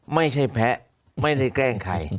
ไม่ใช่แพ้ไม่ได้แกล้งใคร